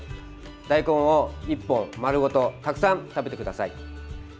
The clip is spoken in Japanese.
大根を１本丸ごとたくさん食べてください。